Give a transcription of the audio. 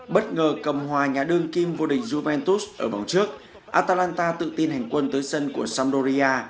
bất ngờ cầm hòa nhà đương kim vô địch juventus ở vòng trước atalanta tự tin hành quân tới sân của sampdoria